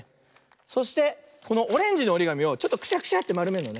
そしてこのオレンジのおりがみをちょっとクシャクシャってまるめるの。